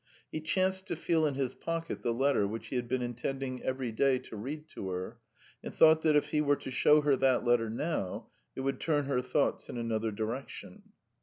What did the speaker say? He chanced to feel in his pocket the letter which he had been intending every day to read to her, and thought if he were to show her that letter now, it would turn her thoughts in another direction.